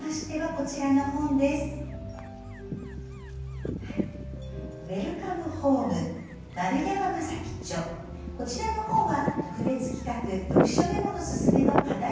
こちらの本は特別企画読書メモのススメの課題